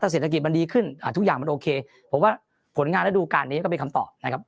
เศรษฐกิจมันดีขึ้นทุกอย่างมันโอเคผมว่าผลงานระดูการนี้ก็เป็นคำตอบนะครับ